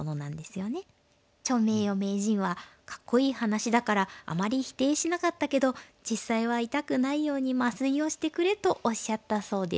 趙名誉名人はかっこいい話だからあまり否定しなかったけど実際は「痛くないように麻酔をしてくれ！」とおっしゃったそうです。